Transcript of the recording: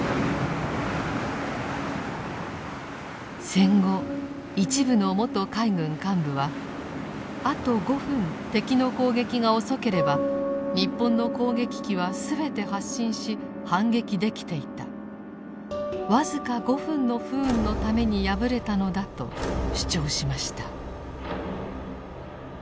戦後一部の元海軍幹部はあと５分敵の攻撃が遅ければ日本の攻撃機は全て発進し反撃できていたわずか５分の不運のために敗れたのだと主張しました。